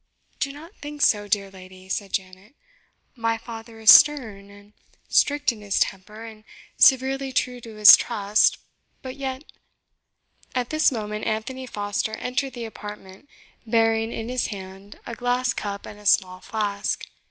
"Do not think so, dear lady," said Janet; "my father is stern and strict in his temper, and severely true to his trust but yet " At this moment Anthony Foster entered the apartment, bearing in his hand a glass cup and a small flask.